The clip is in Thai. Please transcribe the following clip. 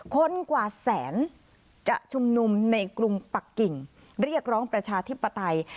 กว่าแสนจะชุมนุมในกรุงปักกิ่งเรียกร้องประชาธิปไตย